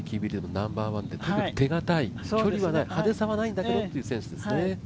ナンバーワンで特に手堅い、距離はない、派手さはないんだけどっていう選手ですよね。